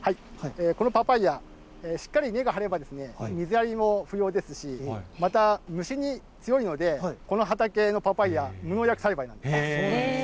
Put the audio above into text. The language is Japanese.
このパパイヤ、しっかり根が張れば、水やりも不要ですし、また虫に強いので、この畑のパパイヤ、無農薬栽培です。